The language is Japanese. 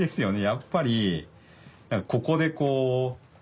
やっぱりここでこう。